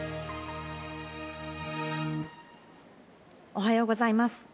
おはようございます。